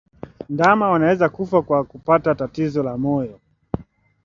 Ndama wanaweza kufa kwa kupata tatizo la moyo